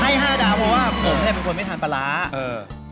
ให้๕ดาวเพราะว่าผมแม่เป็นคนไม่ทานปลาร้า